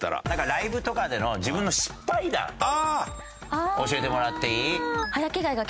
ライブとかでの自分の失敗談教えてもらっていい？